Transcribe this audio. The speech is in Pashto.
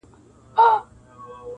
د پیښي جديت د طنز تر شا کمزوری کيږي,